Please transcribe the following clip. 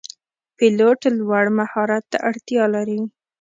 پیلوټ لوړ مهارت ته اړتیا لري.